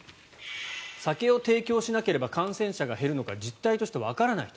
酒を提供しなければ感染者が減るのか実態としてわからない